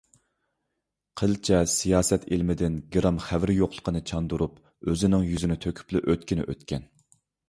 قىلچە سىياسەت ئىلمىدىن گىرام خەۋىرى يوقلۇقىنى چاندۇرۇپ ئۆزىنىڭ يۈزىنى تۆكۈپلا ئۆتكىنى ئۆتكەن.